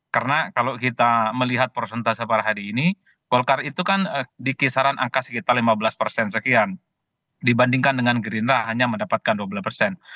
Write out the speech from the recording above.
karena kalau kita melihat persentase pada hari ini golkar itu kan di kisaran angka sekitar lima belas sekian dibandingkan dengan gerindra hanya mendapatkan dua belas